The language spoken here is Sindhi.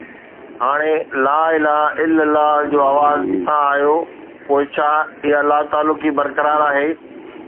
هاڻي ”لا اله الا الله“ جو آواز ڪٿان آيو، پوءِ ڇا اها لاتعلقي برقرار آهي؟